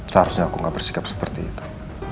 seharusnya aku gak bersikap seperti itu